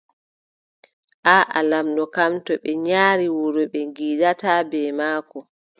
Aaʼa., Lamɗo kam, too ɓe nyari wuro, ɓe ngiidaata bee maako.